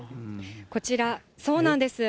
こちら、そうなんです。